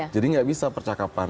jadi nggak bisa percakapan